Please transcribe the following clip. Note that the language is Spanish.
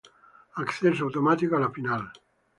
Acceso automático a la final.